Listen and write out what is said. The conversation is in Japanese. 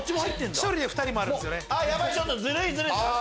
１人で２つもあるんです。